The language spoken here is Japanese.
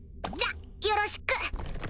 じゃよろしく！